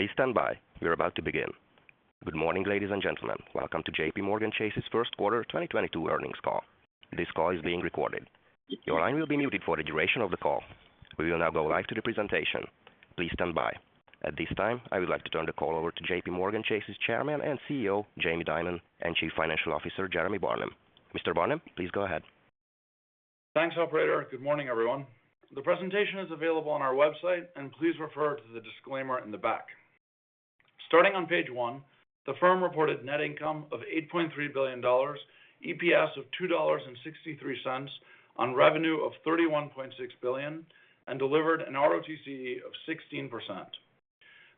Good morning, ladies and gentlemen. Welcome to JPMorgan Chase's Q1 2022 Earnings Call. This call is being recorded. Your line will be muted for the duration of the call. We will now go live to the presentation. At this time, I would like to turn the call over to JPMorgan Chase's Chairman and CEO, Jamie Dimon, and Chief Financial Officer, Jeremy Barnum. Mr. Barnum, please go ahead. Thanks, operator. Good morning, everyone. The presentation is available on our website, and please refer to the disclaimer in the back. Starting on page 1, the firm reported net income of $8.3 billion, EPS of $2.63 on revenue of $31.6 billion, and delivered an ROTCE of 16%.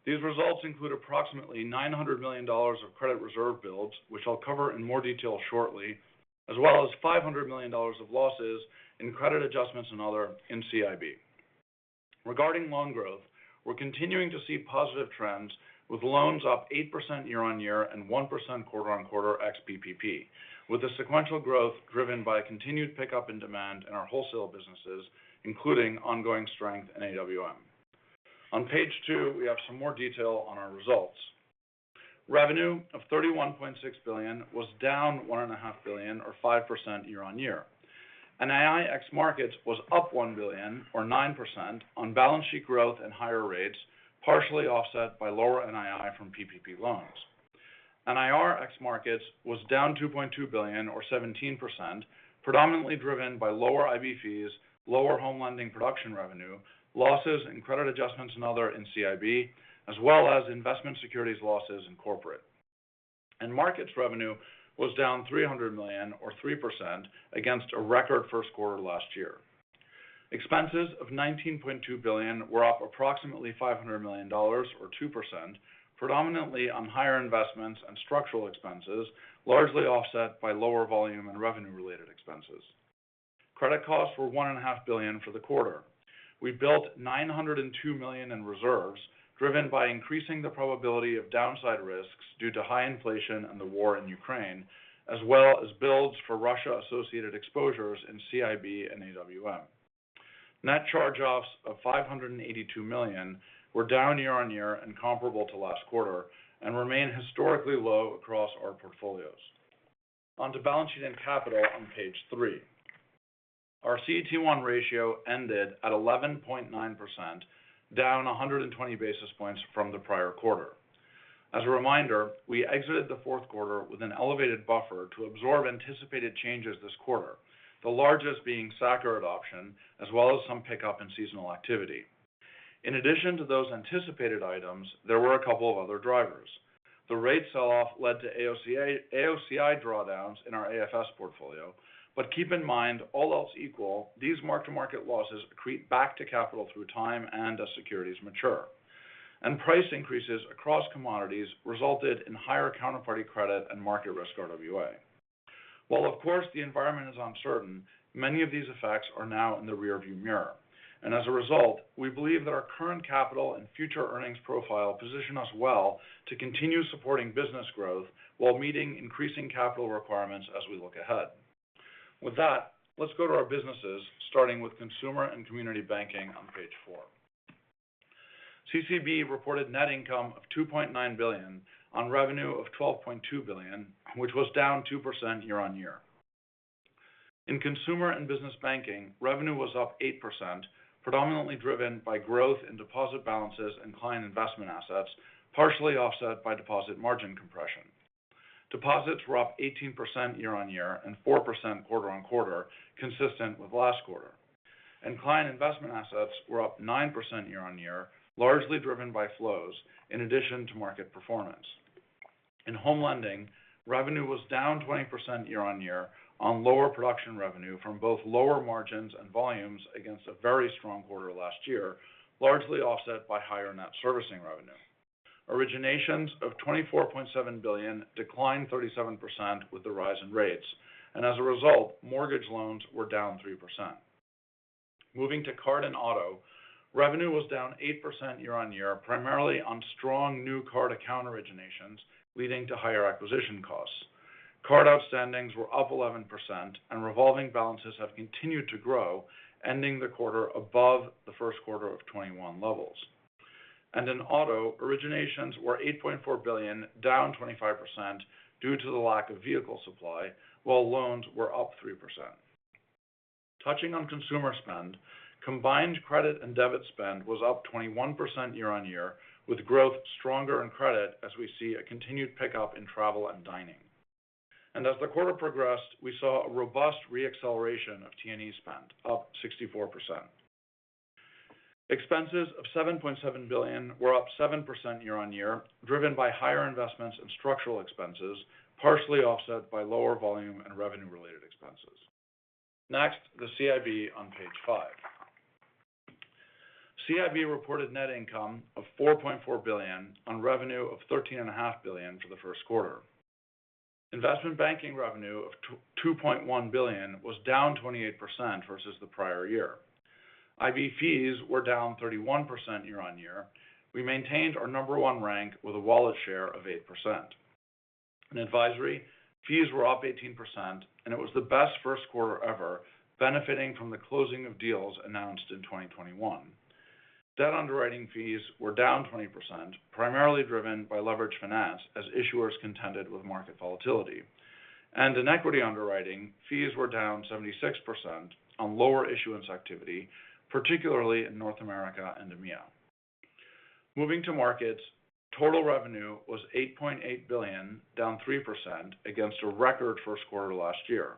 These results include approximately $900 million of credit reserve builds, which I'll cover in more detail shortly, as well as $500 million of losses in credit adjustments and other in CIB. Regarding loan growth, we're continuing to see positive trends with loans up 8% year-on-year and 1% quarter-on-quarter ex PPP, with the sequential growth driven by continued pickup in demand in our wholesale businesses, including ongoing strength in AWM. On page 2, we have some more detail on our results. Revenue of $31.6 billion was down $1.5 billion or 5% year-over-year. NII ex markets was up $1 billion or 9% on balance sheet growth and higher rates, partially offset by lower NII from PPP loans. NIR ex markets was down $2.2 billion or 17%, predominantly driven by lower IB fees, lower home lending production revenue, losses and credit adjustments and other in CIB, as well as investment securities losses in corporate. Markets revenue was down $300 million or 3% against a record first quarter last year. Expenses of $19.2 billion were up approximately $500 million or 2%, predominantly on higher investments and structural expenses, largely offset by lower volume and revenue related expenses. Credit costs were $1.5 billion for the quarter. We built $902 million in reserves, driven by increasing the probability of downside risks due to high inflation and the war in Ukraine, as well as builds for Russia-associated exposures in CIB and AWM. Net charge-offs of $582 million were down year-on-year and comparable to last quarter and remain historically low across our portfolios. On to balance sheet and capital on page 3. Our CET1 ratio ended at 11.9%, down 120 basis points from the prior quarter. As a reminder, we exited the fourth quarter with an elevated buffer to absorb anticipated changes this quarter, the largest being SA-CCR adoption, as well as some pickup in seasonal activity. In addition to those anticipated items, there were a couple of other drivers. The rate sell-off led to AOCI drawdowns in our AFS portfolio. Keep in mind, all else equal, these mark-to-market losses accrete back to capital through time and as securities mature. Price increases across commodities resulted in higher counterparty credit and market risk RWA. While, of course, the environment is uncertain, many of these effects are now in the rearview mirror. As a result, we believe that our current capital and future earnings profile position us well to continue supporting business growth while meeting increasing capital requirements as we look ahead. With that, let's go to our businesses, starting with Consumer & Community Banking on page 4. CCB reported net income of $2.9 billion on revenue of $12.2 billion, which was down 2% year-on-year. In consumer and business banking, revenue was up 8%, predominantly driven by growth in deposit balances and client investment assets, partially offset by deposit margin compression. Deposits were up 18% year-on-year and 4% quarter-on-quarter, consistent with last quarter. Client investment assets were up 9% year-on-year, largely driven by flows in addition to market performance. In home lending, revenue was down 20% year-on-year on lower production revenue from both lower margins and volumes against a very strong quarter last year, largely offset by higher net servicing revenue. Originations of $24.7 billion declined 37% with the rise in rates. As a result, mortgage loans were down 3%. Moving to card and auto, revenue was down 8% year-on-year, primarily on strong new card account originations, leading to higher acquisition costs. Card outstanding were up 11% and revolving balances have continued to grow, ending the quarter above the first quarter of 2021 levels. In auto, originations were $8.4 billion, down 25% due to the lack of vehicle supply, while loans were up 3%. Touching on consumer spend, combined credit and debit spend was up 21% year-on-year, with growth stronger in credit as we see a continued pickup in travel and dining. As the quarter progressed, we saw a robust re-acceleration of T&E spend, up 64%. Expenses of $7.7 billion were up 7% year-on-year, driven by higher investments and structural expenses, partially offset by lower volume and revenue-related expenses. Next, the CIB on page 5. CIB reported net income of $4.4 billion on revenue of $13.5 billion for the first quarter. Investment banking revenue of $2.1 billion was down 28% versus the prior year. IB fees were down 31% year-on-year. We maintained our number one rank with a wallet share of 8%. In advisory, fees were up 18% and it was the best first quarter ever, benefiting from the closing of deals announced in 2021. Debt underwriting fees were down 20%, primarily driven by leveraged finance as issuers contended with market volatility. In equity underwriting, fees were down 76% on lower issuance activity, particularly in North America and EMEA. Moving to markets, total revenue was $8.8 billion, down 3% against a record first quarter last year.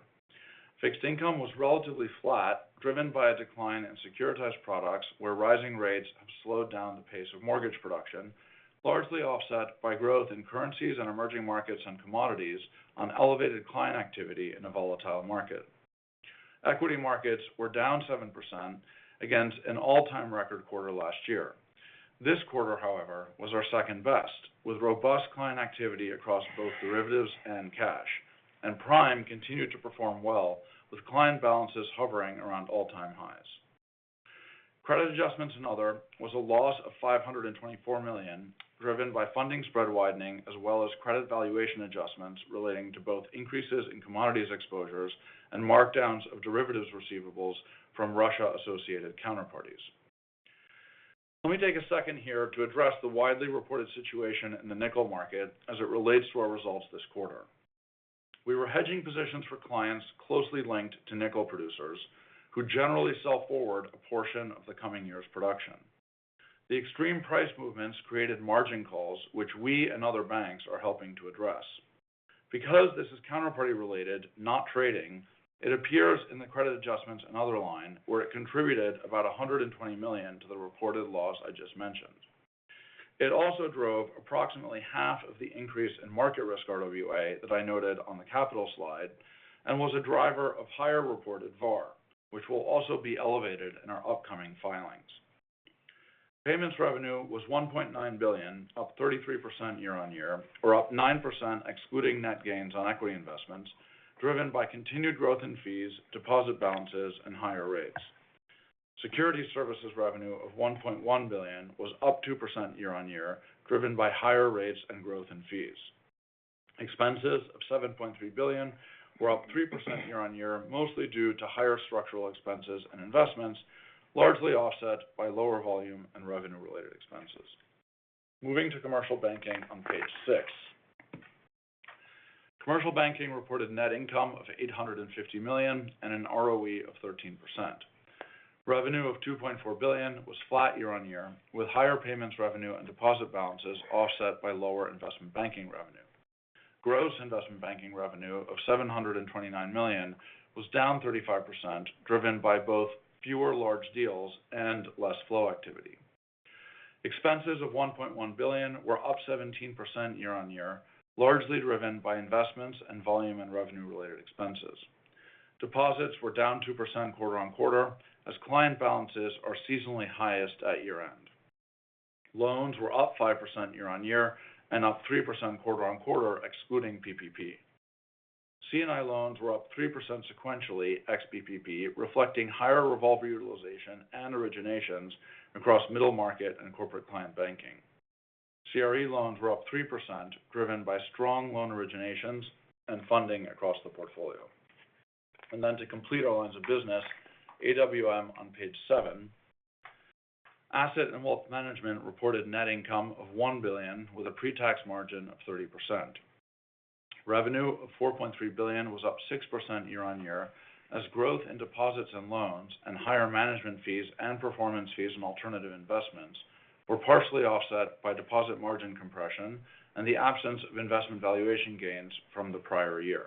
Fixed income was relatively flat, driven by a decline in securitized products where rising rates have slowed down the pace of mortgage production, largely offset by growth in currencies and emerging markets and commodities on elevated client activity in a volatile market. Equity markets were down 7% against an all-time record quarter last year. This quarter, however, was our second best, with robust client activity across both derivatives and cash. Prime continued to perform well with client balances hovering around all-time highs. Credit adjustments and other was a loss of $524 million, driven by funding spread widening as well as credit valuation adjustments relating to both increases in commodities exposures and markdowns of derivatives receivables from Russia-associated counterparties. Let me take a second here to address the widely reported situation in the nickel market as it relates to our results this quarter. We were hedging positions for clients closely linked to nickel producers who generally sell forward a portion of the coming year's production. The extreme price movements created margin calls which we and other banks are helping to address. Because this is counterparty related, not trading, it appears in the credit adjustments and other line where it contributed about $120 million to the reported loss I just mentioned. It also drove approximately half of the increase in market risk RWA that I noted on the capital slide, and was a driver of higher reported VaR, which will also be elevated in our upcoming filings. Payments revenue was $1.9 billion, up 33% year-over-year, or up 9% excluding net gains on equity investments, driven by continued growth in fees, deposit balances, and higher rates. Security services revenue of $1.1 billion was up 2% year-over-year, driven by higher rates and growth in fees. Expenses of $7.3 billion were up 3% year-on-year, mostly due to higher structural expenses and investments, largely offset by lower volume and revenue-related expenses. Moving to Commercial Banking on page 6. Commercial Banking reported net income of $850 million and an ROE of 13%. Revenue of $2.4 billion was flat year-on-year, with higher payments revenue and deposit balances offset by lower investment banking revenue. Gross investment banking revenue of $729 million was down 35%, driven by both fewer large deals and less flow activity. Expenses of $1.1 billion were up 17% year-on-year, largely driven by investments in volume- and revenue-related expenses. Deposits were down 2% quarter-on-quarter as client balances are seasonally highest at year-end. Loans were up 5% year-over-year and up 3% quarter-over-quarter excluding PPP. C&I loans were up 3% sequentially ex-PPP, reflecting higher revolver utilization and originations across middle market and corporate client banking. CRE loans were up 3% driven by strong loan originations and funding across the portfolio. Then to complete our lines of business, AWM on page seven. Asset and Wealth Management reported net income of $1 billion with a pre-tax margin of 30%. Revenue of $4.3 billion was up 6% year-over-year as growth in deposits and loans and higher management fees and performance fees and alternative investments were partially offset by deposit margin compression and the absence of investment valuation gains from the prior year.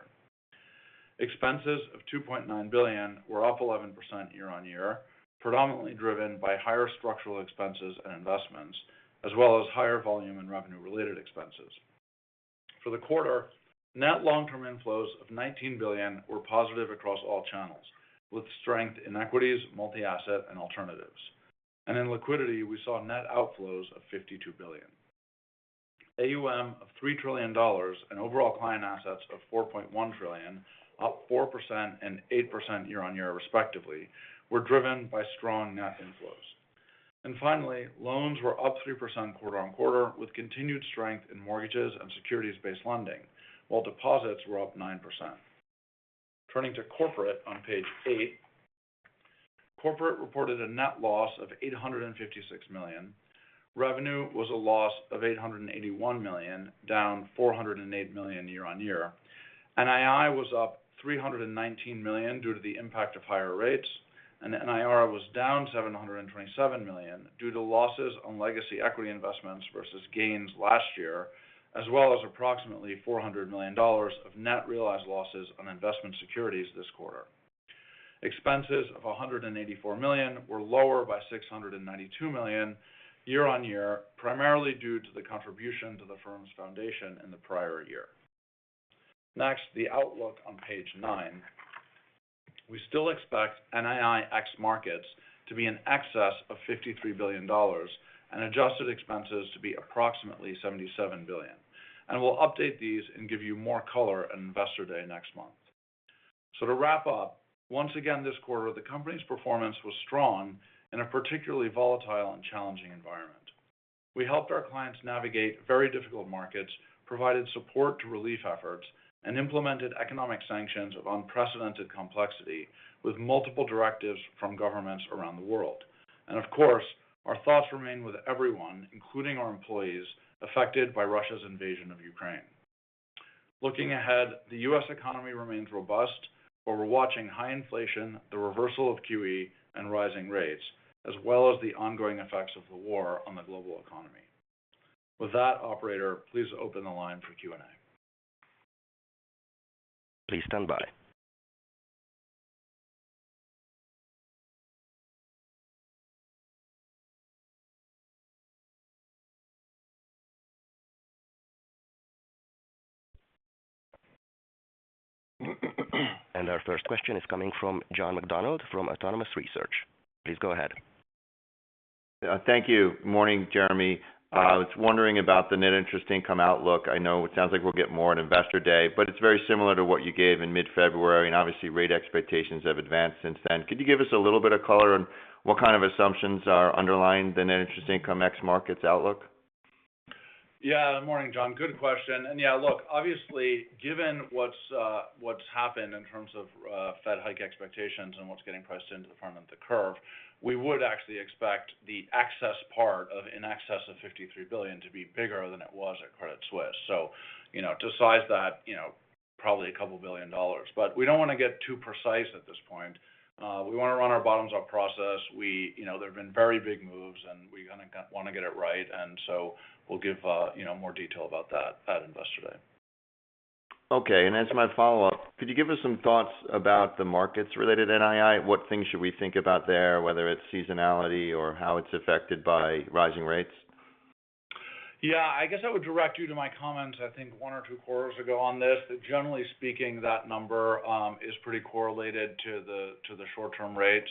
Expenses of $2.9 billion were up 11% year-over-year, predominantly driven by higher structural expenses and investments, as well as higher volume and revenue related expenses. For the quarter, net long-term inflows of $19 billion were positive across all channels, with strength in equities, multi-asset, and alternatives. In liquidity, we saw net outflows of $52 billion. AUM of $3 trillion and overall client assets of $4.1 trillion, up 4% and 8% year-over-year respectively, were driven by strong net inflows. Finally, loans were up 3% quarter-over-quarter, with continued strength in mortgages and securities-based lending, while deposits were up 9%. Turning to corporate on page eight. Corporate reported a net loss of $856 million. Revenue was a loss of $881 million, down $408 million year-on-year. NII was up $319 million due to the impact of higher rates, and NIR was down $727 million due to losses on legacy equity investments versus gains last year, as well as approximately $400 million of net realized losses on investment securities this quarter. Expenses of $184 million were lower by $692 million year-on-year, primarily due to the contribution to the firm's foundation in the prior year. Next, the outlook on page nine. We still expect NII ex markets to be in excess of $53 billion and adjusted expenses to be approximately $77 billion. We'll update these and give you more color at Investor Day next month. To wrap up, once again this quarter, the company's performance was strong in a particularly volatile and challenging environment. We helped our clients navigate very difficult markets, provided support to relief efforts, and implemented economic sanctions of unprecedented complexity with multiple directives from governments around the world. Of course, our thoughts remain with everyone, including our employees, affected by Russia's invasion of Ukraine. Looking ahead, the US economy remains robust, but we're watching high inflation, the reversal of QE and rising rates, as well as the ongoing effects of the war on the global economy. With that, operator, please open the line for Q&A. Please stand by. Our first question is coming from John McDonald from Autonomous Research. Please go ahead. Thank you. Morning, Jeremy. I was wondering about the net interest income outlook. I know it sounds like we'll get more at Investor Day, but it's very similar to what you gave in mid-February, and obviously rate expectations have advanced since then. Could you give us a little bit of color on what kind of assumptions are underlying the net interest income ex markets outlook? Yeah. Morning, John. Good question. Yeah, look, obviously, given what's happened in terms of Fed hike expectations and what's getting priced into the front of the curve, we would actually expect the excess part of in excess of $53 billion to be bigger than it was at Credit Suisse. You know, to size that, you know, probably $2 billion. We don't wanna get too precise at this point. We wanna run our bottoms-up process. You know, there have been very big moves, and we wanna get it right, and we'll give you know, more detail about that at Investor Day. Okay. As my follow-up, could you give us some thoughts about the markets related NII? What things should we think about there, whether it's seasonality or how it's affected by rising rates? Yeah. I guess I would direct you to my comments. I think one or two quarters ago on this. That, generally speaking, that number is pretty correlated to the short-term rate.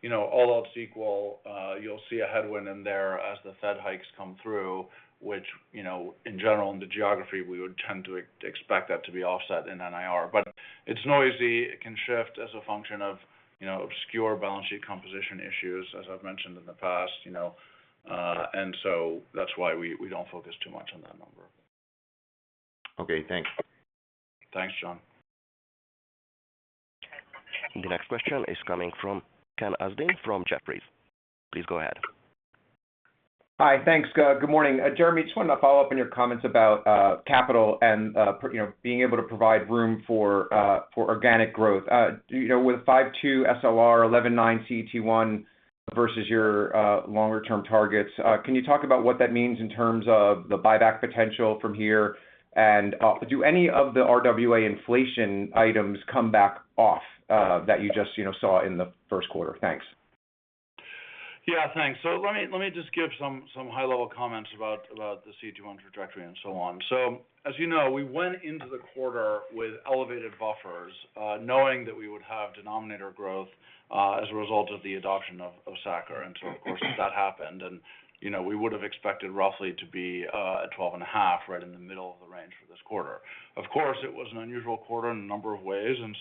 You know, all else equal, you'll see a headwind in there as the Fed hikes come through, which, you know, in general in the grand scheme, we would tend to expect that to be offset in NIR. It's noisy. It can shift as a function of, you know, obscure balance sheet composition issues, as I've mentioned in the past, you know, and that's why we don't focus too much on that number. Okay, thanks. Thanks, John. The next question is coming from Ken Usdin from Jefferies. Please go ahead. Hi. Thanks. Good morning. Jeremy, just wanted to follow up on your comments about capital and you know, being able to provide room for organic growth. You know, with 5.2 SLR, 11.9 CET1 versus your longer term targets, can you talk about what that means in terms of the buyback potential from here? Do any of the RWA inflation items come back off that you just you know, saw in the first quarter? Thanks. Yeah, thanks. Let me just give some high-level comments about the CET1 trajectory and so on. As you know, we went into the quarter with elevated buffers, knowing that we would have denominator growth as a result of the adoption of SA-CCR. Of course, that happened. You know, we would have expected roughly to be at 12.5, right in the middle of the range for this quarter. Of course, it was an unusual quarter in a number of ways, and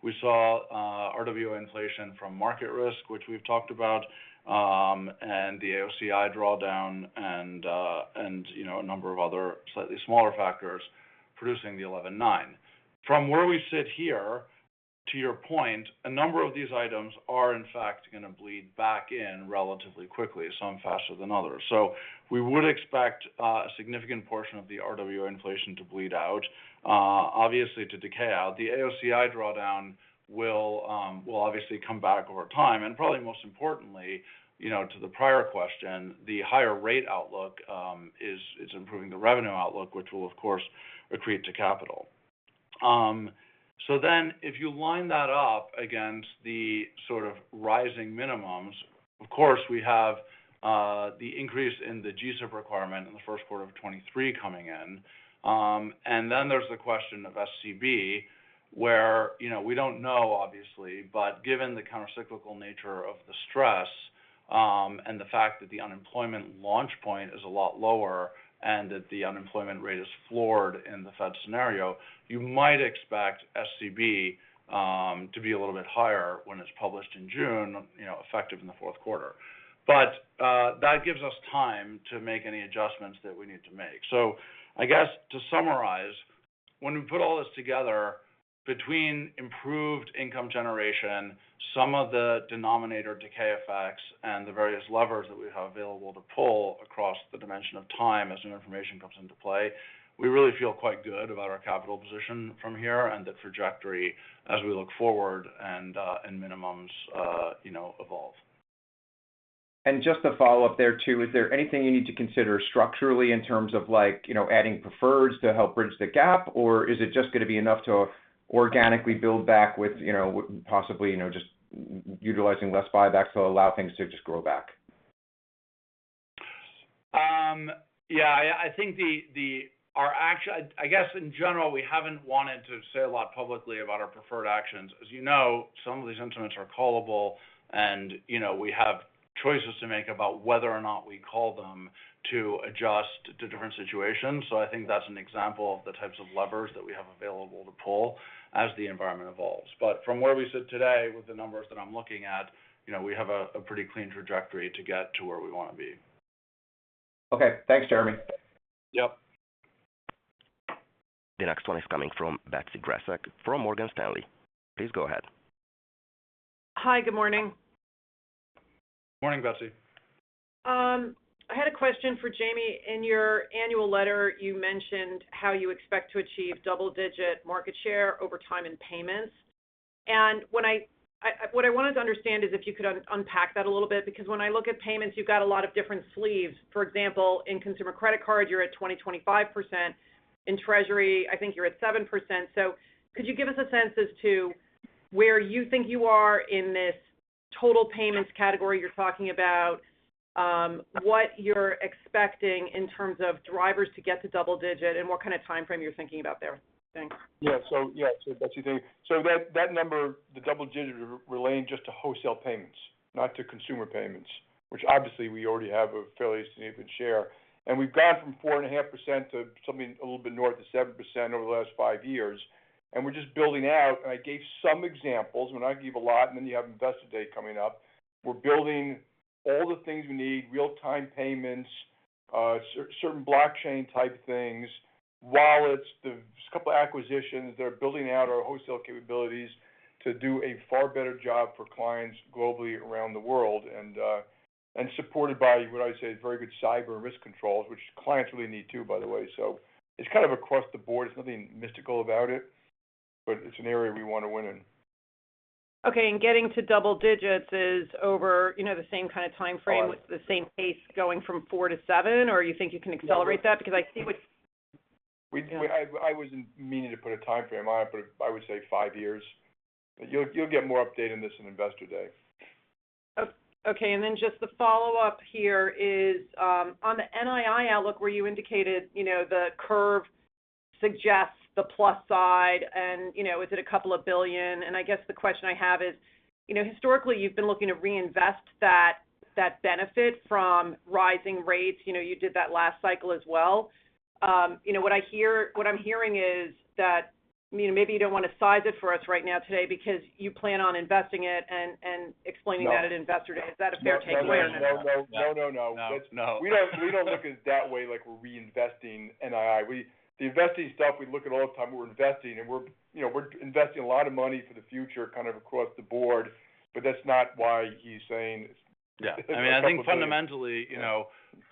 we saw RWA inflation from market risk, which we've talked about, and the AOCI drawdown and you know, a number of other slightly smaller factors producing the 11.9. From where we sit here, to your point, a number of these items are in fact gonna bleed back in relatively quickly, some faster than others. We would expect a significant portion of the RWA inflation to bleed out, obviously to decay out. The AOCI drawdown will obviously come back over time. Probably most importantly, you know, to the prior question, the higher rate outlook is improving the revenue outlook, which will of course accrete to capital. If you line that up against the sort of rising minimums, of course, we have the increase in the G-SIB requirement in the first quarter of 2023 coming in. There's the question of SCB, where, you know, we don't know, obviously, but given the countercyclical nature of the stress, and the fact that the unemployment launch point is a lot lower and that the unemployment rate is floored in the Fed scenario, you might expect SCB to be a little bit higher when it's published in June, you know, effective in the fourth quarter. That gives us time to make any adjustments that we need to make. I guess to summarize, when we put all this together between improved income generation, some of the denominator decay effects, and the various levers that we have available to pull across the dimension of time as new information comes into play, we really feel quite good about our capital position from here and the trajectory as we look forward and minimums, you know, evolve. Just to follow up there too, is there anything you need to consider structurally in terms of like, you know, adding preferreds to help bridge the gap? Or is it just gonna be enough to organically build back with, you know, possibly, you know, just utilizing less buybacks to allow things to just grow back? Yeah, I think, I guess in general, we haven't wanted to say a lot publicly about our preferred actions. As you know, some of these instruments are callable and, you know, we have choices to make about whether or not we call them to adjust to different situations. I think that's an example of the types of levers that we have available to pull as the environment evolves. From where we sit today with the numbers that I'm looking at, you know, we have a pretty clean trajectory to get to where we want to be. Okay. Thanks, Jeremy. Yep. The next one is coming from Betsy Graseck from Morgan Stanley. Please go ahead. Hi. Good morning. Morning, Betsy. I had a question for Jamie. In your annual letter, you mentioned how you expect to achieve double-digit market share over time in payments. When I what I wanted to understand is if you could unpack that a little bit because when I look at payments, you've got a lot of different sleeves. For example, in consumer credit card, you're at 20% to 25%. In Treasury, I think you're at 7%. Could you give us a sense as to where you think you are in this total payments category you're talking about, what you're expecting in terms of drivers to get to double-digit and what kind of timeframe you're thinking about there? Thanks. Yeah. So, Betsy, that number, the double digit relating just to wholesale payments, not to consumer payments, which obviously we already have a fairly significant share. We've gone from 4.5% to something a little bit north of 7% over the last five years. We're just building out. I gave some examples. We're not giving a lot, and then you have Investor Day coming up. We're building all the things we need: real-time payments, certain blockchain type things, wallets. There's a couple acquisitions that are building out our wholesale capabilities to do a far better job for clients globally around the world, and supported by what I'd say is very good cyber risk controls, which clients really need too, by the way. It's kind of across the board. There's nothing mystical about it, but it's an area we want to win in. Okay. Getting to double digits is over, you know, the same kind of time frame the same pace going from 4 to 7, or you think you can accelerate that? Because I see what- I wasn't meaning to put a time frame on it, but I would say five years. You'll get more update on this in Investor Day. Okay. Just the follow-up here is on the NII outlook where you indicated, you know, the curve suggests the plus side and, you know, is it a couple of billion? I guess the question I have is, you know, historically, you've been looking to reinvest that benefit from rising rates. You know, you did that last cycle as well. You know what I'm hearing is that, you know, maybe you don't want to size it for us right now today because you plan on investing it and explaining that at Investor Day. Is that a fair takeaway? No. No. We don't look at it that way, like we're reinvesting NII. The investing stuff we look at all the time. We're investing and we're, you know, investing a lot of money for the future kind of across the board, but that's not why he's saying it's $2 billion. Yeah. I mean, I think fundamentally, you know,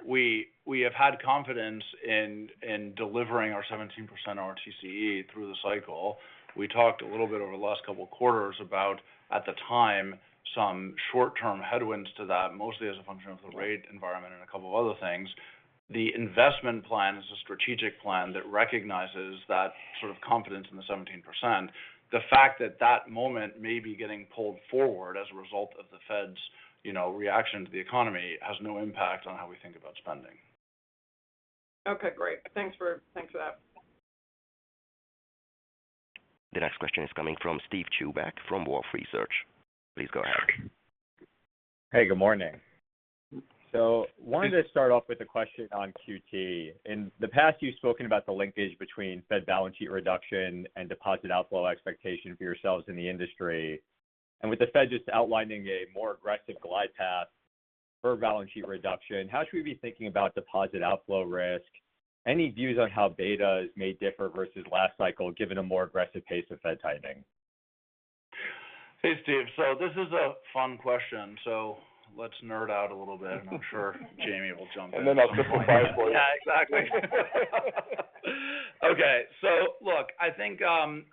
we have had confidence in delivering our 17% ROTCE through the cycle. We talked a little bit over the last couple quarters about at the time some short-term headwinds to that, mostly as a function of the rate environment and a couple other things. The investment plan is a strategic plan that recognizes that sort of confidence in the 17%. The fact that that moment may be getting pulled forward as a result of the Fed's, you know, reaction to the economy has no impact on how we think about spending. Okay, great. Thanks for that. The next question is coming from Steven Chubak from Wolfe Research. Please go ahead. Hey, good morning. Wanted to start off with a question on QT. In the past, you've spoken about the linkage between Fed balance sheet reduction and deposit outflow expectation for yourselves in the industry. With the Fed just outlining a more aggressive glide path for balance sheet reduction, how should we be thinking about deposit outflow risk? Any views on how beta may be different versus last cycle, given a more aggressive pace of Fed tightening? Hey, Steve. This is a fun question, so let's nerd out a little bit. I'm sure Jamie will jump in. I'll simplify it for you. Yeah, exactly. Okay. Look, I think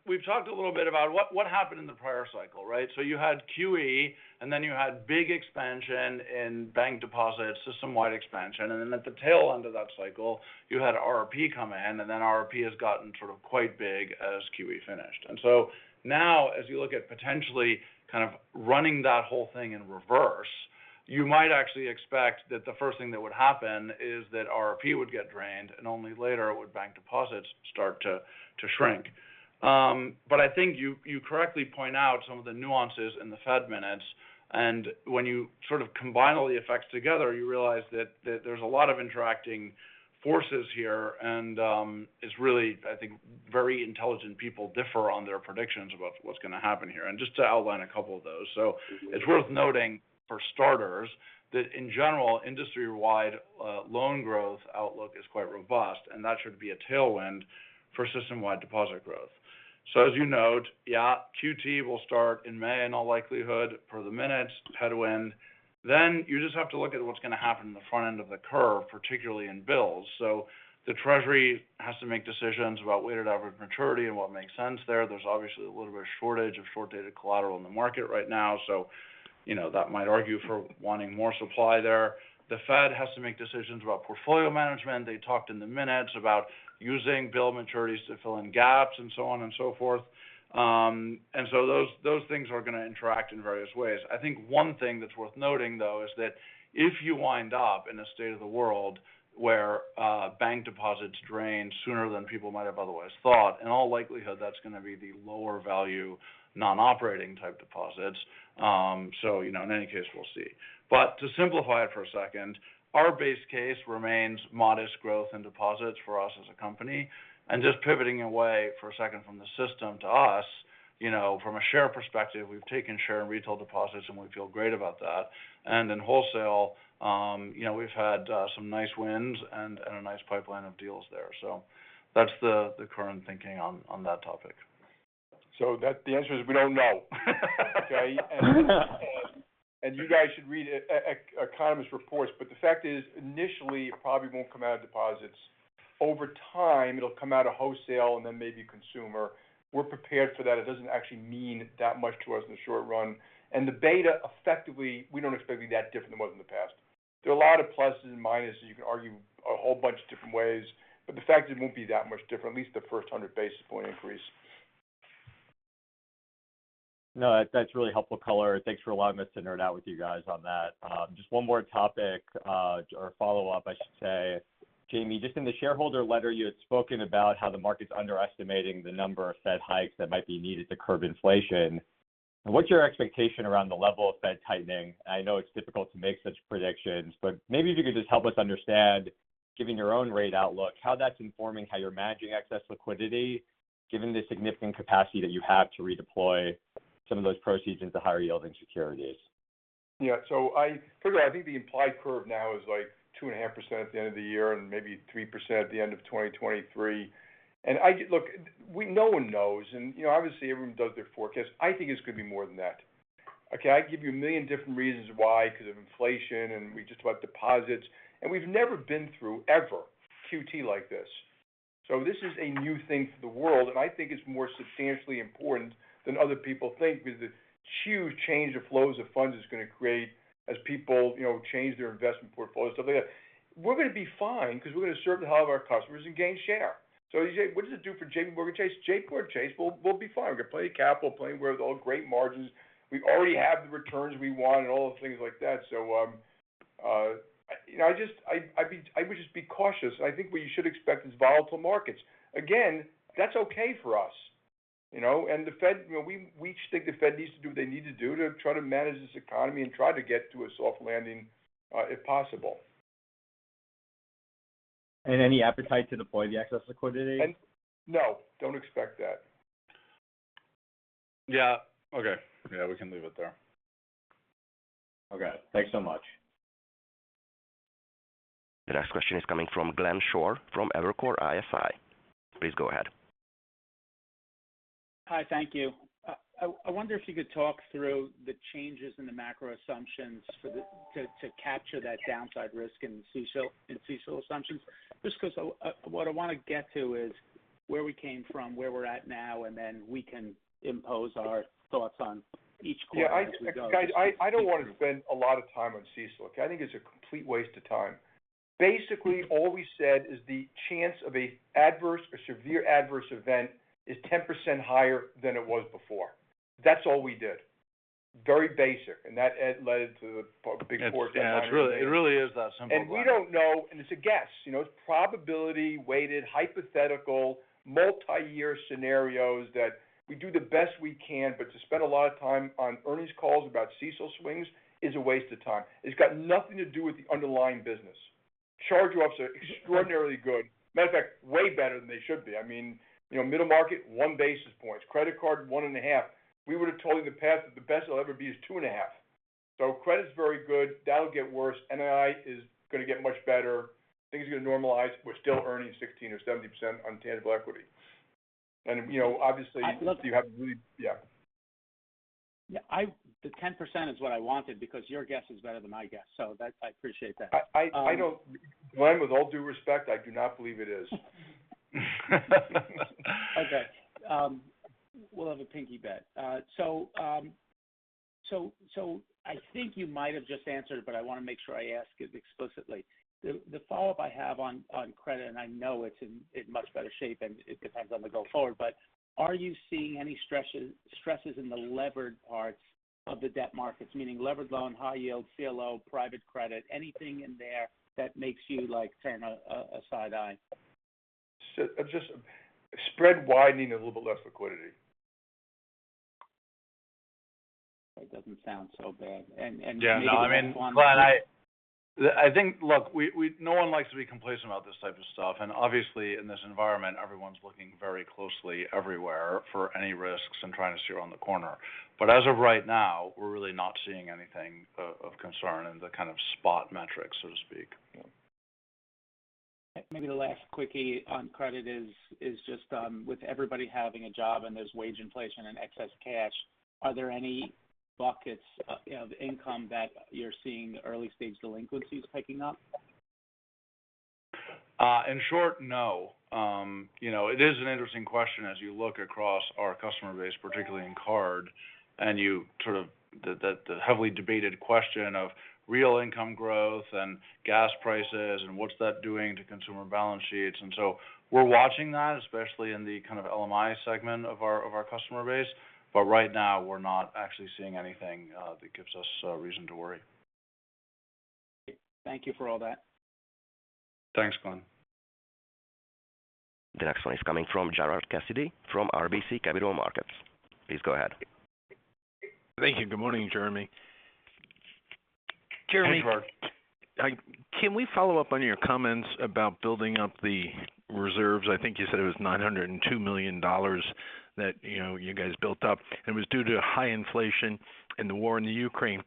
we've talked a little bit about what happened in the prior cycle, right? You had QE, and then you had big expansion in bank deposits, system-wide expansion. Then at the tail end of that cycle, you had RRP come in, and then RRP has gotten sort of quite big as QE finished. Now as you look at potentially kind of running that whole thing in reverse, you might actually expect that the first thing that would happen is that RRP would get drained, and only later would bank deposits start to shrink. But I think you correctly point out some of the nuances in the Fed minutes. When you sort of combine all the effects together, you realize that there's a lot of interacting forces here and is really, I think, very intelligent people differ on their predictions about what's going to happen here. Just to outline a couple of those. It's worth noting for starters that in general, industry-wide, loan growth outlook is quite robust, and that should be a tailwind for system-wide deposit growth. As you note, yeah, QT will start in May in all likelihood per the minutes, headwind. You just have to look at what's going to happen in the front end of the curve, particularly in bills. The Treasury has to make decisions about weighted average maturity and what makes sense there. There's obviously a little bit of shortage of short-dated collateral in the market right now. You know, that might argue for wanting more supply there. The Fed has to make decisions about portfolio management. They talked in the minutes about using bill maturities to fill in gaps and so on and so forth. Those things are going to interact in various ways. I think one thing that's worth noting, though, is that if you wind up in a state of the world where bank deposits drain sooner than people might have otherwise thought, in all likelihood, that's going to be the lower value non-operating type deposits. You know, in any case, we'll see. To simplify it for a second, our base case remains modest growth in deposits for us as a company. Just pivoting away for a second from the system to us. You know, from a share perspective, we've taken share in retail deposits, and we feel great about that. In wholesale, you know, we've had some nice wins and a nice pipeline of deals there. That's the current thinking on that topic. The answer is we don't know. Okay. You guys should read economist reports, but the fact is, initially it probably won't come out of deposits. Over time, it'll come out of wholesale and then maybe consumer. We're prepared for that. It doesn't actually mean that much to us in the short run. The beta effectively, we don't expect to be that different than was in the past. There are a lot of pluses and minuses. You can argue a whole bunch of different ways, but the fact is it won't be that much different, at least the first 100 basis point increase. No, that's really helpful color. Thanks for allowing me to nerd out with you guys on that. Just one more topic, or follow-up, I should say. Jamie, just in the shareholder letter, you had spoken about how the market's underestimating the number of Fed hikes that might be needed to curb inflation. What's your expectation around the level of Fed tightening? I know it's difficult to make such predictions, but maybe if you could just help us understand, given your own rate outlook, how that's informing how you're managing excess liquidity, given the significant capacity that you have to redeploy some of those proceeds into higher yielding securities. Yeah. I figure I think the implied curve now is like 2.5% at the end of the year and maybe 3% at the end of 2023. I look, no one knows, and you know, obviously everyone does their forecast. I think it's gonna be more than that. Okay, I give you a million different reasons why, because of inflation, and we just talked deposits. We've never been through, ever, QT like this. This is a new thing for the world, and I think it's more substantially important than other people think because the huge change of flows of funds is gonna create as people, you know, change their investment portfolio, stuff like that. We're gonna be fine because we're gonna serve the hell out of our customers and gain share. You say, "What does it do for JPMorgan Chase?" JPMorgan Chase, we'll be fine. We've got plenty of capital, plenty wherewithal, all great margins. We already have the returns we want and all those things like that. You know, I would just be cautious. I think what you should expect is volatile markets. Again, that's okay for us, you know. The Fed, you know, we just think the Fed needs to do what they need to do to try to manage this economy and try to get to a soft landing, if possible. Any appetite to deploy the excess liquidity? No, don't expect that. Yeah. Okay. Yeah, we can leave it there. Okay. Thanks so much. The next question is coming from Glenn Schorr from Evercore ISI. Please go ahead. Hi. Thank you. I wonder if you could talk through the changes in the macro assumptions to capture that downside risk in CECL assumptions. Just 'cause what I wanna get to is where we came from, where we're at now, and then we can impose our thoughts on each quarter as we go. Yeah. Guys, I don't want to spend a lot of time on CECL. I think it's a complete waste of time. Basically, all we said is the chance of a adverse or severe adverse event is 10% higher than it was before. That's all we did. Very basic, and that led to the big 450 basis. It really is that simple. We don't know, and it's a guess. You know, it's probability-weighted, hypothetical, multi-year scenarios that we do the best we can, but to spend a lot of time on earnings calls about CECL swings is a waste of time. It's got nothing to do with the underlying business. Charge-offs are extraordinarily good. Matter of fact, way better than they should be. I mean, you know, middle market, 1 basis point. Credit card, 1.5. We would have told you in the past that the best it'll ever be is 2.5. Credit is very good. That'll get worse. NII is gonna get much better. Things are gonna normalize. We're still earning 16% or 17% on tangible equity. You know, obviously. Look- You have to really. Yeah. Yeah, the 10% is what I wanted because your guess is better than my guess. I appreciate that. I don't, Glenn, with all due respect, I do not believe it is. Okay. We'll have a pinky bet. I think you might have just answered, but I wanna make sure I ask it explicitly. The follow-up I have on credit, and I know it's in much better shape, and it depends on the going forward, but are you seeing any stresses in the levered parts of the debt markets, meaning levered loan, high-yield, CLO, private credit, anything in there that makes you, like, turn a side eye? Just spread widening, a little bit less liquidity. That doesn't sound so bad. Yeah, no, I mean, Glenn, I think. Look, no one likes to be complacent about this type of stuff. Obviously, in this environment, everyone's looking very closely everywhere for any risks and trying to steer around the corner. As of right now, we're really not seeing anything of concern in the kind of spot metrics, so to speak. Maybe the last quickie on credit is just with everybody having a job and there's wage inflation and excess cash, are there any buckets of income that you're seeing early-stage delinquencies picking up? In short, no. You know, it is an interesting question as you look across our customer base, particularly in card, and the heavily debated question of real income growth and gas prices and what's that doing to consumer balance sheets. We're watching that, especially in the kind of LMI segment of our customer base. Right now we're not actually seeing anything that gives us reason to worry. Thank you for all that. Thanks, Glenn. The next one is coming from Gerard Cassidy from RBC Capital Markets. Please go ahead. Thank you. Good morning, Jeremy. Jeremy, can we follow up on your comments about building up the reserves? I think you said it was $902 million that, you know, you guys built up, and it was due to high inflation and the war in the Ukraine.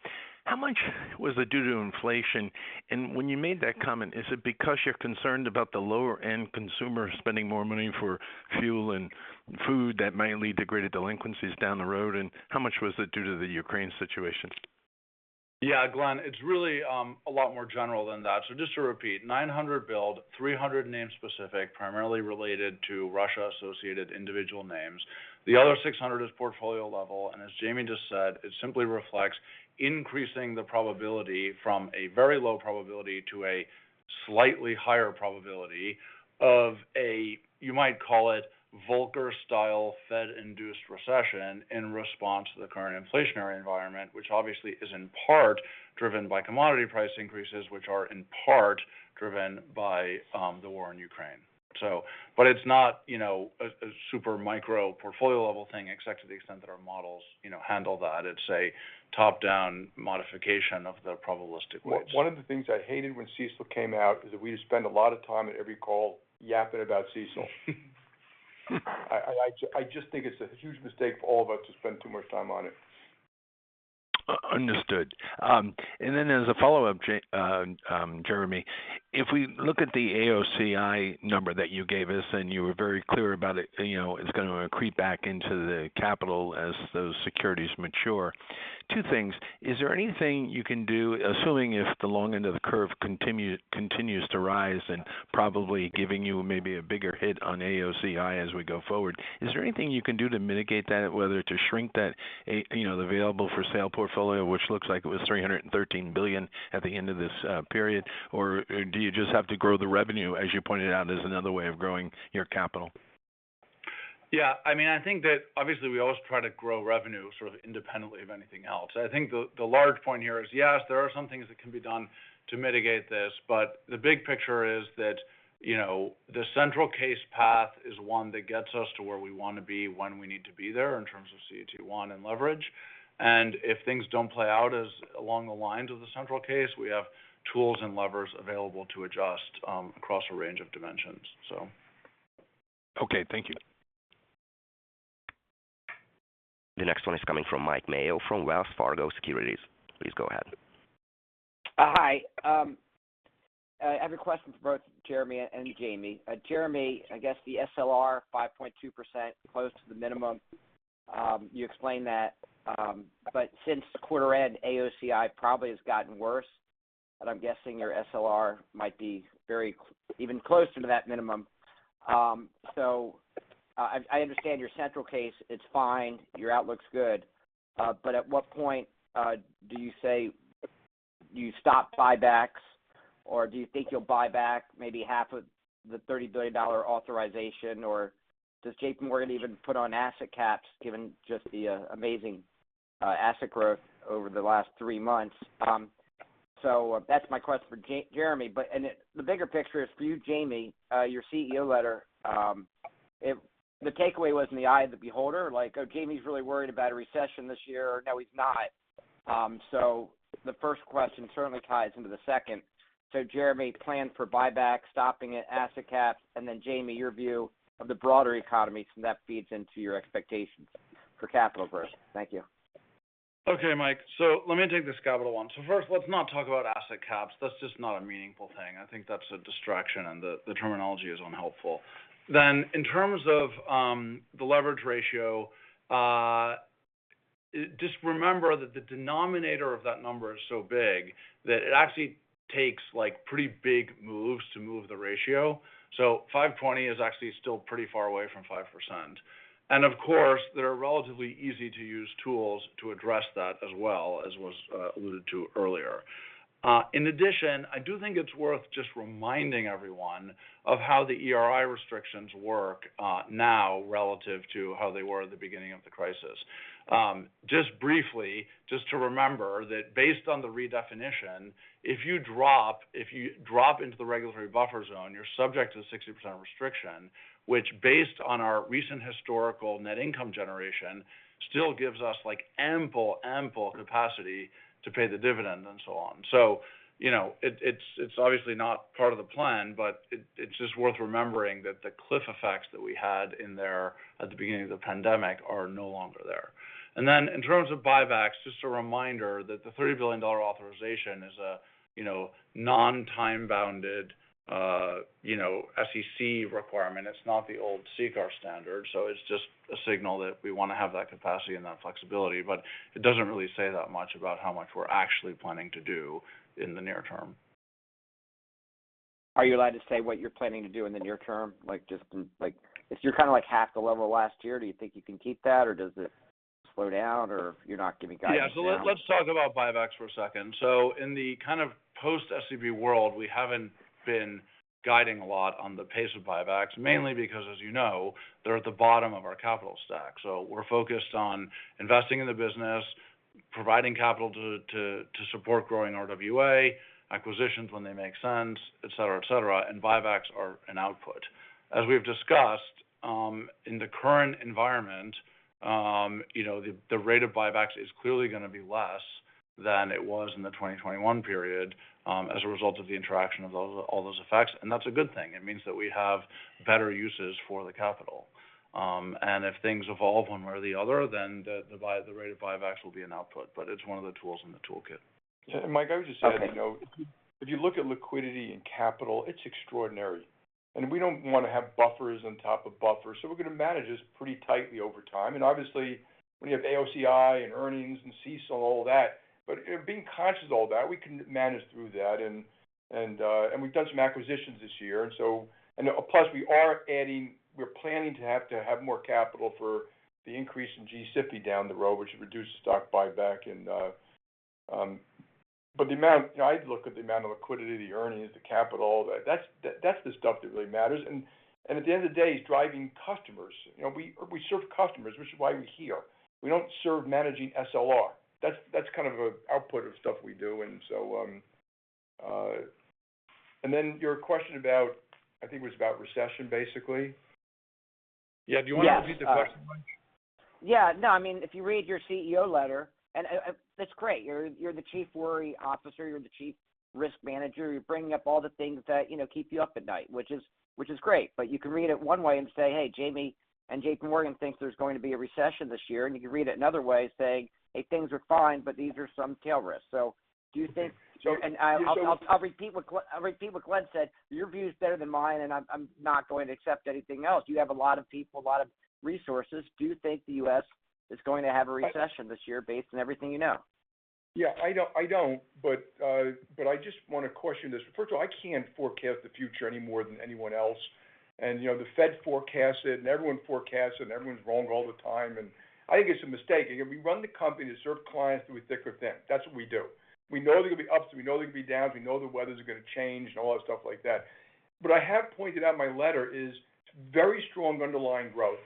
How much was it due to inflation? And when you made that comment, is it because you're concerned about the lower-end consumer spending more money for fuel and food that might lead to greater delinquencies down the road? And how much was it due to the Ukraine situation? Yeah. Gerard, it's really a lot more general than that. Just to repeat, 900 billion, 300 name-specific, primarily related to Russia-associated individual names. The other 600 is portfolio level, and as Jamie just said, it simply reflects increasing the probability from a very low probability to a slightly higher probability of a, you might call it Volcker-style Fed-induced recession in response to the current inflationary environment, which obviously is in part driven by commodity price increases, which are in part driven by the war in Ukraine. But it's not, you know, a super micro portfolio level thing, except to the extent that our models, you know, handle that. It's a top-down modification of the probabilistic weights. One of the things I hated when CECL came out is that we spend a lot of time at every call yapping about CECL. I just think it's a huge mistake for all of us to spend too much time on it. Understood. As a follow-up, Jeremy, if we look at the AOCI number that you gave us, and you were very clear about it, you know, it's gonna creep back into the capital as those securities mature. Two things, is there anything you can do, assuming if the long end of the curve continues to rise and probably giving you maybe a bigger hit on AOCI as we go forward, is there anything you can do to mitigate that, whether to shrink that, you know, the available for sale portfolio, which looks like it was $313 billion at the end of this period, or do you just have to grow the revenue, as you pointed out, as another way of growing your capital? Yeah. I mean, I think that obviously we always try to grow revenue sort of independently of anything else. I think the large point here is, yes, there are some things that can be done to mitigate this. The big picture is that, you know, the central case path is one that gets us to where we wanna be when we need to be there in terms of CET1 and leverage. If things don't play out along the lines of the central case, we have tools and levers available to adjust, across a range of dimensions, so. Okay, thank you. The next one is coming from Mike Mayo from Wells Fargo Securities. Please go ahead. Hi. I have a question for both Jeremy and Jamie. Jeremy, I guess the SLR 5.2% close to the minimum, you explained that. But since the quarter end, AOCI probably has gotten worse, but I'm guessing your SLR might be very close, even closer to that minimum. I understand your central case, it's fine. Your outlook's good. But at what point do you say you stop buybacks, or do you think you'll buy back maybe half of the $30 billion authorization? Or does JPMorgan even put on asset caps given just the amazing asset growth over the last 3 months? So that's my question for Jeremy. The bigger picture is for you, Jamie, your CEO letter, if the takeaway was in the eye of the beholder, like, oh, Jamie's really worried about a recession this year. No, he's not. The first question certainly ties into the second. Jeremy, plan for buyback, stopping at asset caps, and then, Jamie, your view of the broader economy, and that feeds into your expectations for capital growth. Thank you. Okay, Mike. Let me take this Capital One. First, let's not talk about asset caps. That's just not a meaningful thing. I think that's a distraction, and the terminology is unhelpful. In terms of the leverage ratio, just remember that the denominator of that number is so big that it actually takes like pretty big moves to move the ratio. 5.20 is actually still pretty far away from 5%. Of course, there are relatively easy-to-use tools to address that as well, as was alluded to earlier. In addition, I do think it's worth just reminding everyone of how the RBI restrictions work now relative to how they were at the beginning of the crisis. Just briefly, just to remember that based on the redefinition, if you drop into the regulatory buffer zone, you're subject to the 60% restriction, which based on our recent historical net income generation, still gives us, like, ample capacity to pay the dividend and so on. You know, it's obviously not part of the plan, but it's just worth remembering that the cliff effects that we had in there at the beginning of the pandemic are no longer there. Then in terms of buybacks, just a reminder that the $30 billion authorization is a, you know, non-time bounded, you know, SEC requirement. It's not the old CCAR standard, so it's just a signal that we wanna have that capacity and that flexibility. It doesn't really say that much about how much we're actually planning to do in the near term. Are you allowed to say what you're planning to do in the near term? Like, just in, like, if you're kinda like half the level of last year, do you think you can keep that, or does it slow down, or you're not giving guidance now? Yeah. Let's talk about buybacks for a second. In the kind of post-SCB world, we haven't been guiding a lot on the pace of buybacks, mainly because, as you know, they're at the bottom of our capital stack. We're focused on investing in the business, providing capital to support growing RWA, acquisitions when they make sense, et cetera, et cetera, and buybacks are an output. As we've discussed, in the current environment, you know, the rate of buybacks is clearly gonna be less than it was in the 2021 period, as a result of the interaction of all those effects. That's a good thing. It means that we have better uses for the capital. If things evolve one way or the other, then the rate of buybacks will be an output, but it's one of the tools in the toolkit. Yeah. Mike, I would just say, you know, if you look at liquidity and capital, it's extraordinary. We don't wanna have buffers on top of buffers, so we're gonna manage this pretty tightly over time. Obviously, we have AOCI and earnings and CECL and all that. But, you know, being conscious of all that, we can manage through that. We've done some acquisitions this year. We're planning to have more capital for the increase in G-SIB down the road, which would reduce the stock buyback. You know, I'd look at the amount of liquidity, the earnings, the capital. That's the stuff that really matters. At the end of the day, it's driving customers. You know, we serve customers, which is why we're here. We don't serve managing SLR. That's kind of a output of stuff we do. Your question about, I think it was about recession, basically. Yeah. Do you wanna repeat the question, Mike? Yeah. No, I mean, if you read your CEO letter, and that's great. You're the chief worry officer. You're the chief risk manager. You're bringing up all the things that, you know, keep you up at night, which is great. But you can read it one way and say, "Hey, Jamie and JPMorgan thinks there's going to be a recession this year." And you can read it another way saying, "Hey, things are fine, but these are some tail risks." So do you think- Sure. I'll repeat what Glenn said. Your view is better than mine, and I'm not going to accept anything else. You have a lot of people, a lot of resources. Do you think the U.S. is going to have a recession this year based on everything you know? I don't. I just wanna caution this. First of all, I can't forecast the future any more than anyone else. You know, the Fed forecasts it, and everyone forecasts it, and everyone's wrong all the time. I think it's a mistake. You know, we run the company to serve clients through thick or thin. That's what we do. We know there are gonna be ups, and we know there are gonna be downs. We know the weather's gonna change and all that stuff like that. What I have pointed out in my letter is very strong underlying growth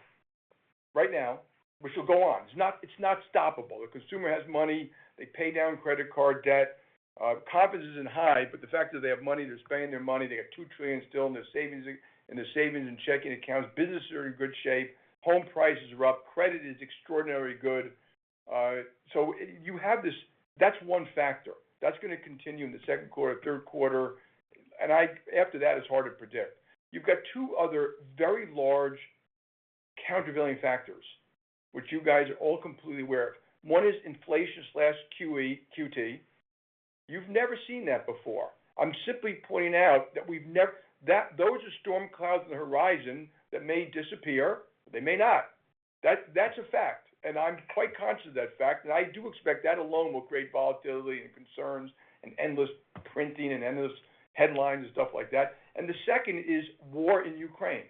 right now, which will go on. It's not stoppable. The consumer has money. They pay down credit card debt. Confidence isn't high, but the fact that they have money, they're spending their money. They have $2 trillion still in their savings and checking accounts. Businesses are in good shape. Home prices are up. Credit is extraordinarily good. So you have this. That's one factor. That's gonna continue in the second quarter, third quarter. After that, it's hard to predict. You've got two other very large countervailing factors, which you guys are all completely aware of. One is inflation/QE, QT. You've never seen that before. I'm simply pointing out that those are storm clouds on the horizon that may disappear, they may not. That's a fact. I'm quite conscious of that fact. I do expect that alone will create volatility and concerns and endless printing and endless headlines and stuff like that. The second is war in Ukraine.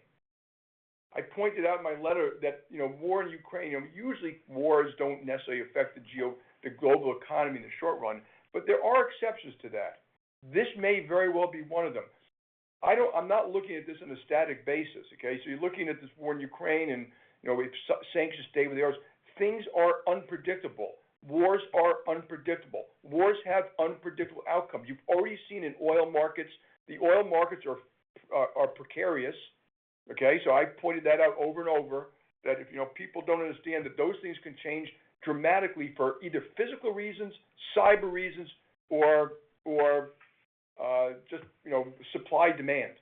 I pointed out in my letter that, you know, war in Ukraine, usually wars don't necessarily affect the global economy in the short run, but there are exceptions to that. This may very well be one of them. I'm not looking at this in a static basis, okay? You're looking at this war in Ukraine and, you know, we have sanctions today with the others. Things are unpredictable. Wars are unpredictable. Wars have unpredictable outcomes. You've already seen in oil markets, the oil markets are precarious, okay? I pointed that out over and over that if, you know, people don't understand that those things can change dramatically for either physical reasons, cyber reasons, or just, you know, supply and demand.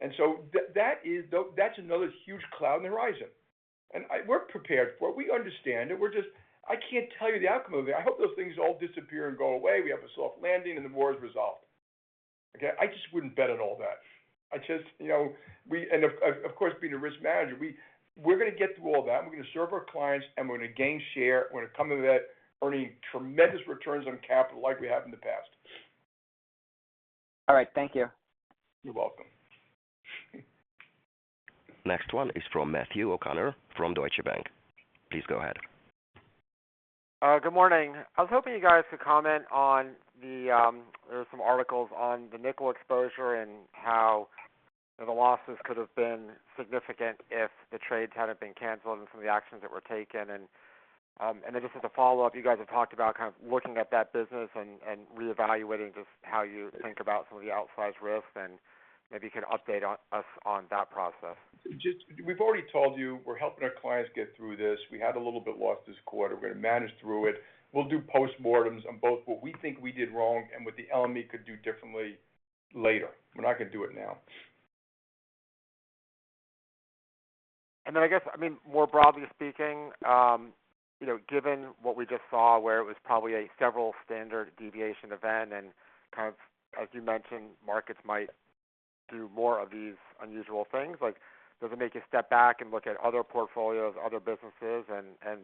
That is, though that's another huge cloud on the horizon. We're prepared for it. We understand it. I can't tell you the outcome of it. I hope those things all disappear and go away. We have a soft landing and the war is resolved. Okay. I just wouldn't bet on all that. You know, of course, being a risk manager, we're gonna get through all that. We're gonna serve our clients and we're gonna gain share. We're gonna come out of that earning tremendous returns on capital like we have in the past. All right. Thank you. You're welcome. Next one is from Matthew O'Connor from Deutsche Bank. Please go ahead. Good morning. I was hoping you guys could comment on. There were some articles on the nickel exposure and how the losses could have been significant if the trades hadn't been canceled and some of the actions that were taken. Then just as a follow-up, you guys have talked about kind of looking at that business and reevaluating just how you think about some of the outsized risks, and maybe you can update us on that process. Just, we've already told you we're helping our clients get through this. We had a little bit loss this quarter. We're gonna manage through it. We'll do postmortems on both what we think we did wrong and what the LME could do differently later. We're not gonna do it now. I guess, I mean, more broadly speaking, you know, given what we just saw where it was probably a several standard deviation event and kind of, as you mentioned, markets might do more of these unusual things, like does it make you step back and look at other portfolios, other businesses and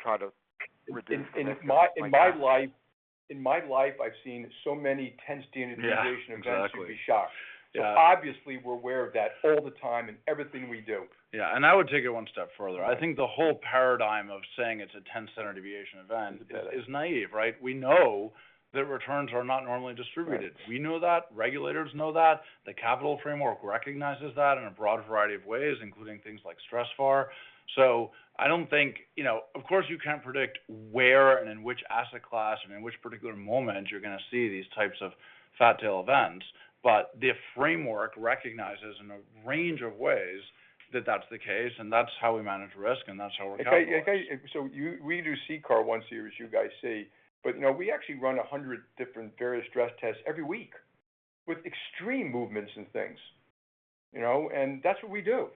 try to reduce the risk like that? In my life, I've seen so many 10 standard deviation events. Yeah, exactly. You'd be shocked. Yeah. Obviously we're aware of that all the time in everything we do. Yeah. I would take it one step further. I think the whole paradigm of saying it's a 10 standard deviation event is naive, right? We know that returns are not normally distributed. Right. We know that. Regulators know that. The capital framework recognizes that in a broad variety of ways, including things like stressed VaR. I don't think you know, of course, you can't predict where and in which asset class and in which particular moment you're gonna see these types of fat tail events. The framework recognizes in a range of ways that that's the case, and that's how we manage risk, and that's how we're capitalized. We do CCAR once a year, as you guys see. You know, we actually run 100 different various stress tests every week with extreme movements and things, you know. That's what we do.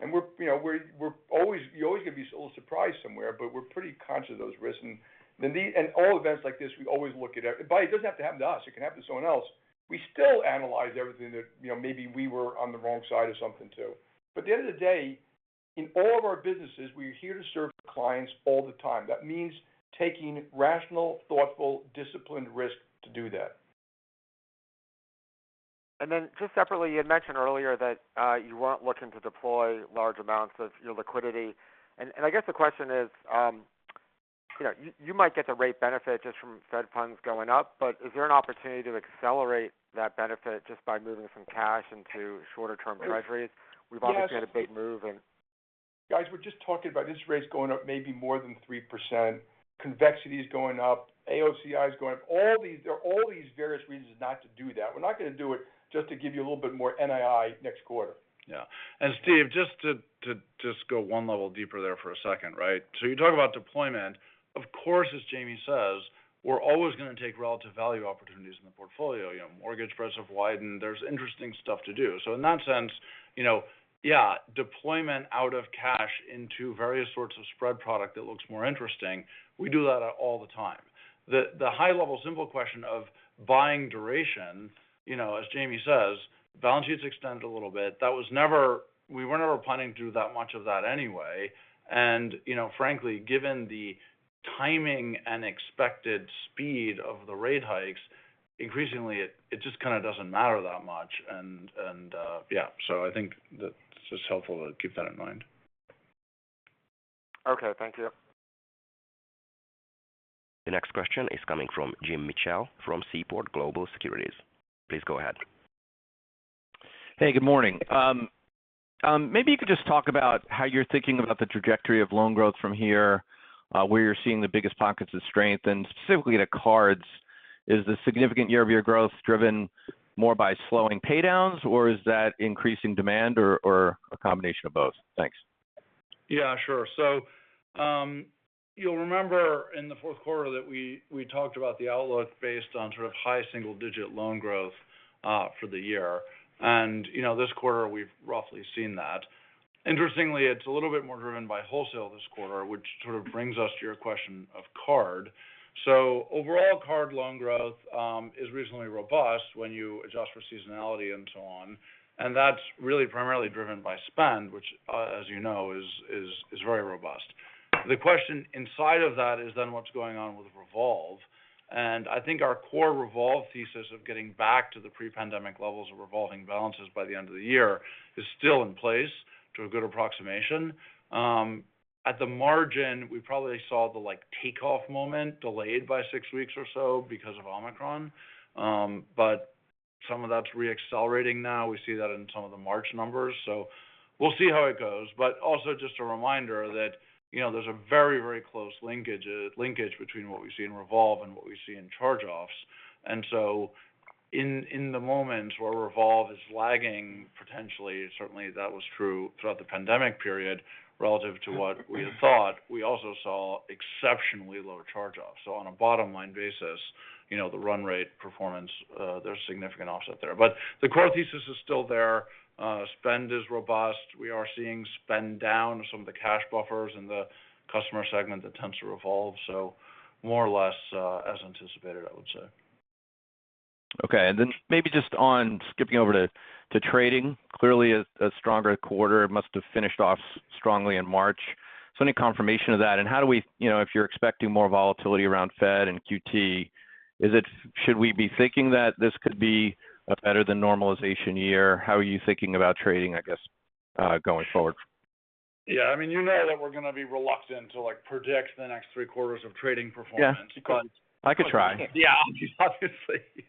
We're, you know, always. You're always gonna be a little surprised somewhere, but we're pretty conscious of those risks. In all events like this, we always look at it. It doesn't have to happen to us, it can happen to someone else. We still analyze everything that, you know, maybe we were on the wrong side of something too. At the end of the day, in all of our businesses, we're here to serve the clients all the time. That means taking rational, thoughtful, disciplined risks to do that. Then just separately, you had mentioned earlier that you weren't looking to deploy large amounts of your liquidity. I guess the question is, you know, you might get the rate benefit just from Fed funds going up, but is there an opportunity to accelerate that benefit just by moving some cash into shorter-term Treasuries? We've obviously had a big move and- Guys, we're just talking about interest rates going up maybe more than 3%. Convexity is going up. AOCI is going up. There are all these various reasons not to do that. We're not gonna do it just to give you a little bit more NII next quarter. Yeah. Steve, just to just go one level deeper there for a second, right? You talk about deployment. Of course, as Jamie says, we're always gonna take relative value opportunities in the portfolio. You know, mortgage spreads have widened. There's interesting stuff to do. In that sense, you know, yeah, deployment out of cash into various sorts of spread product that looks more interesting, we do that all the time. The high-level simple question of buying duration, you know, as Jamie says, balance sheets extend a little bit. We were never planning to do that much of that anyway. You know, frankly, given the timing and expected speed of the rate hikes, increasingly it just kind of doesn't matter that much. Yeah. I think that it's just helpful to keep that in mind. Okay. Thank you. The next question is coming from Jim Mitchell from Seaport Global Securities. Please go ahead. Hey, good morning. Maybe you could just talk about how you're thinking about the trajectory of loan growth from here, where you're seeing the biggest pockets of strength. Specifically to cards, is the significant year-over-year growth driven more by slowing pay downs, or is that increasing demand or a combination of both? Thanks. Yeah, sure. You'll remember in the fourth quarter that we talked about the outlook based on sort of high single-digit loan growth for the year. You know, this quarter we've roughly seen that. Interestingly, it's a little bit more driven by wholesale this quarter, which sort of brings us to your question of card. Overall card loan growth is reasonably robust when you adjust for seasonality and so on, and that's really primarily driven by spend, which as you know is very robust. The question inside of that is then what's going on with revolve. I think our core revolve thesis of getting back to the pre-pandemic levels of revolving balances by the end of the year is still in place to a good approximation. At the margin, we probably saw the like takeoff moment delayed by six weeks or so because of Omicron. Some of that's re-accelerating now. We see that in some of the March numbers. We'll see how it goes. Also just a reminder that, you know, there's a very, very close linkage between what we see in revolve and what we see in charge-offs. In the moments where revolve is lagging potentially, certainly that was true throughout the pandemic period relative to what we had thought, we also saw exceptionally lower charge-offs. On a bottom line basis, you know, the run rate performance, there's significant offset there. The core thesis is still there. Spend is robust. We are seeing spend down some of the cash buffers in the customer segment that tends to revolve. More or less, as anticipated, I would say. Okay. Then maybe just on skipping over to trading. Clearly a stronger quarter. It must have finished off strongly in March. Any confirmation of that? How do we, you know, if you're expecting more volatility around Fed and QT, should we be thinking that this could be a better than normalization year? How are you thinking about trading, I guess, going forward? Yeah. I mean, you know that we're gonna be reluctant to like predict the next three quarters of trading performance because Yeah. I could try. Yeah. Obviously.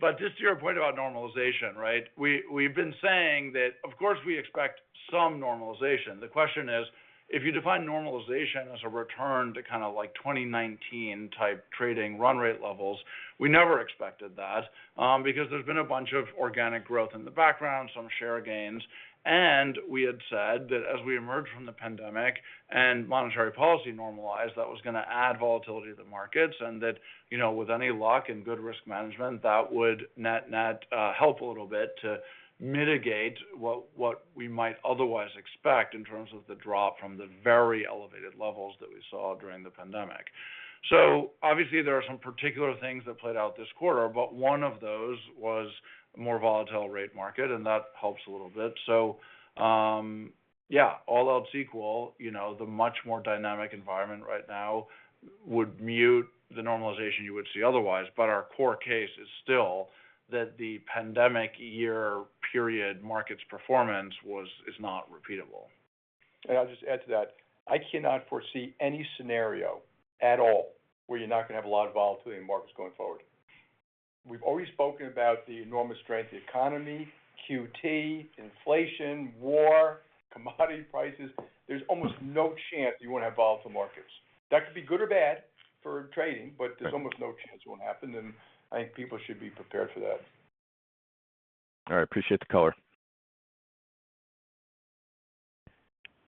But just to your point about normalization, right? We've been saying that, of course, we expect some normalization. The question is, if you define normalization as a return to kind of like 2019-type trading run rate levels, we never expected that. Because there's been a bunch of organic growth in the background, some share gains. We had said that as we emerge from the pandemic and monetary policy normalized, that was gonna add volatility to the markets and that, you know, with any luck and good risk management, that would net help a little bit to mitigate what we might otherwise expect in terms of the drop from the very elevated levels that we saw during the pandemic. Obviously there are some particular things that played out this quarter, but one of those was a more volatile rate market, and that helps a little bit. Yeah, all else equal, you know, the much more dynamic environment right now would mute the normalization you would see otherwise. Our core case is still that the pandemic year period markets performance is not repeatable. I'll just add to that. I cannot foresee any scenario at all where you're not gonna have a lot of volatility in markets going forward. We've already spoken about the enormous strength of the economy, QT, inflation, war, commodity prices. There's almost no chance you won't have volatile markets. That could be good or bad for trading, but there's almost no chance it won't happen, and I think people should be prepared for that. All right. Appreciate the color.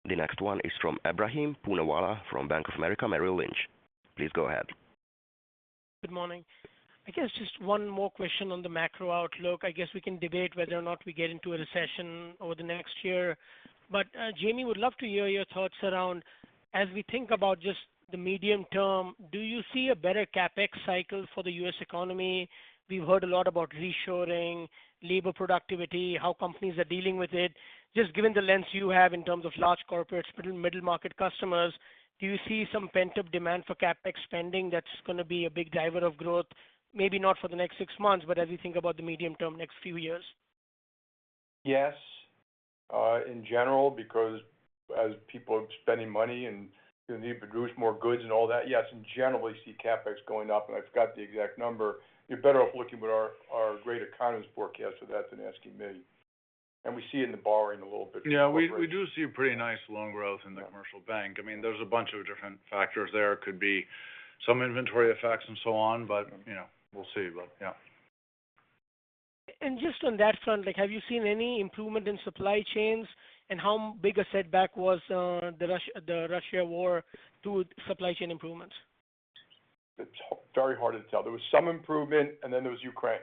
The next one is from Ebrahim Poonawala from Bank of America Merrill Lynch. Please go ahead. Good morning. I guess just one more question on the macro outlook. I guess we can debate whether or not we get into a recession over the next year. I would love to hear your thoughts around as we think about just the medium term. Do you see a better CapEx cycle for the US economy? We've heard a lot about reshoring, labor productivity, how companies are dealing with it. Just given the lens you have in terms of large corporates, but in middle market customers, do you see some pent-up demand for CapEx spending that's gonna be a big driver of growth, maybe not for the next six months, but as you think about the medium term next few years? Yes, in general, because as people are spending money and the need to produce more goods and all that, yes, we generally see CapEx going up, and I've got the exact number. You're better off looking at our great economist forecast for that than asking me. We see it in the borrowing a little bit. Yeah. We do see pretty nice loan growth in the commercial bank. I mean, there's a bunch of different factors there. Could be some inventory effects and so on, but, you know, we'll see. Yeah. Just on that front, like have you seen any improvement in supply chains? How big a setback was the Russia war to supply chain improvements? It's very hard to tell. There was some improvement, and then there was Ukraine.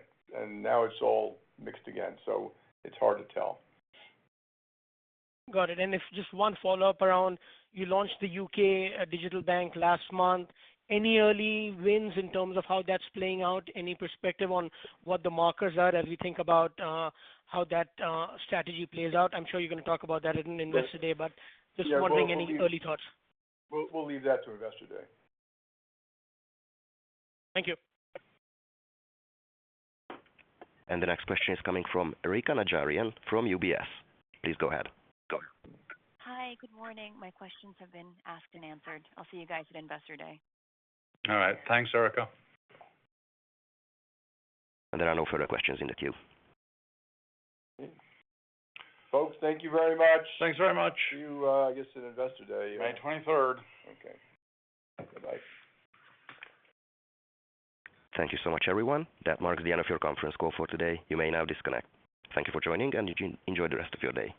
Now it's all mixed again, so it's hard to tell. Got it. Just one follow-up around, you launched the UK digital bank last month. Any early wins in terms of how that's playing out? Any perspective on what the metrics are as we think about how that strategy plays out? I'm sure you're gonna talk about that in Investor Day. Right. Just wondering, any early thoughts? We'll leave that to Investor Day. Thank you. The next question is coming from Erika Najarian from UBS. Please go ahead. Go. Hi. Good morning. My questions have been asked and answered. I'll see you guys at Investor Day. All right. Thanks, Erika. There are no further questions in the queue. Folks, thank you very much. Thanks very much. See you, I guess at Investor Day. May 23rd. Okay. Bye. Thank you so much, everyone. That marks the end of your conference call for today. You may now disconnect. Thank you for joining, and you enjoy the rest of your day.